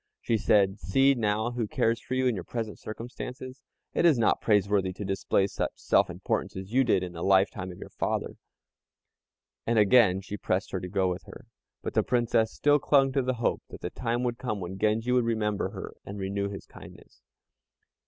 She said, "See now who cares for you in your present circumstances. It is not praiseworthy to display such self importance as you did in the lifetime of your father." And again she pressed her to go with her, but the Princess still clung to the hope that the time would come when Genji would remember her and renew his kindness.